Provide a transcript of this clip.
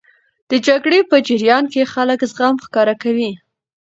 د جګړې په جریان کې خلک زغم ښکاره کوي.